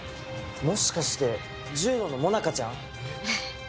もしかして柔道の萌奈佳ちゃん？えっ？